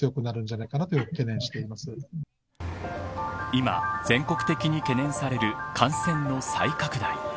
今、全国的に懸念される感染の再拡大。